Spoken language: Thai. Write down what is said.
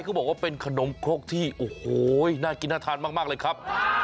เขาบอกว่าเป็นขนมครกที่โอ้โหน่ากินน่าทานมากเลยครับ